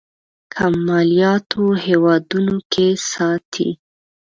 کم مالياتو هېوادونو کې ساتي.